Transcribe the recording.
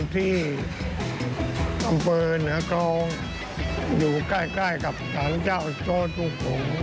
ที่อำเภอเหนือก็อยู่ใกล้กับศาลเจ้าโทษทุกคน